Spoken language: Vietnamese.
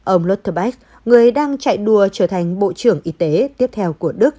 ông lothar weiss người đang chạy đùa trở thành bộ trưởng y tế tiếp theo của đức